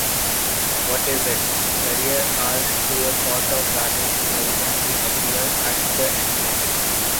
What is it? Carrier asked to a sort of valet who hesitantly appeared at the entrance.